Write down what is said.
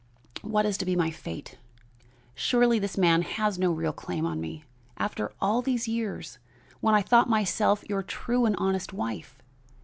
What is to be my fate? Surely this man has no real claim on me, after all these years, when I thought myself your true and honest wife.